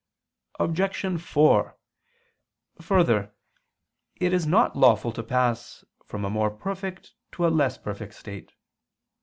Obj. 4: Further, it is not lawful to pass from a more perfect to a less perfect state.